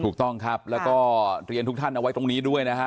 ถูกต้องครับแล้วก็เรียนทุกท่านเอาไว้ตรงนี้ด้วยนะฮะ